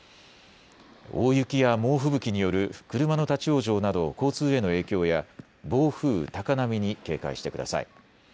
大雪や猛吹雪による車の立往生など交通への影響や暴風、高波に警戒してください。